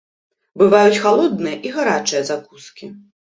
Бываюць халодныя і гарачыя закускі.